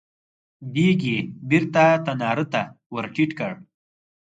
دېګ يې بېرته تناره ته ور ټيټ کړ.